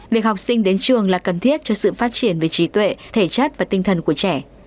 việc học sinh đến trường là cần thiết cho sự phát triển về trí tuệ thể chất và tinh thần của trẻ